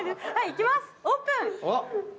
いきます、オープン。